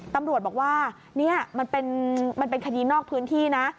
ตำรวจบอกว่านี่มันเป็นคดีนอกพื้นที่นะ